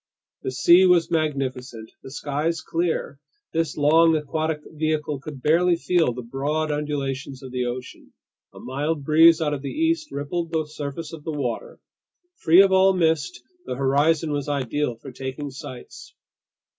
The sea was magnificent, the skies clear. This long aquatic vehicle could barely feel the broad undulations of the ocean. A mild breeze out of the east rippled the surface of the water. Free of all mist, the horizon was ideal for taking sights.